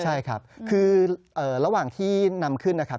ใช่ครับคือระหว่างที่นำขึ้นนะครับ